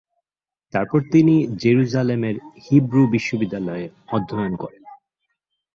তারপর তিনি জেরুজালেমের হিব্রু বিশ্ববিদ্যালয়ে অধ্যয়ন করেন।